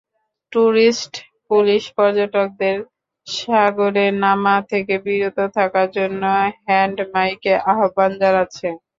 Tourist police পর্যটকদের সাগরে নামা থেকে বিরত থাকার জন্য হ্যান্ডমাইকে আহ্বান জানাচ্ছে।